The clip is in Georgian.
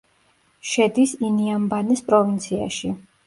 შედის ინიამბანეს პროვინციაში.